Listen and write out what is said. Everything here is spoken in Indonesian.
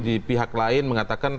di pihak lain mengatakan